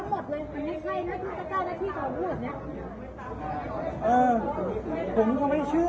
นะเออเออเดี๋ยวเดี๋ยวแบบนี้เดี๋ยวเอาแว่นก่อนเออเฮ้ย